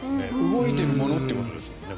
動いているものということですよね。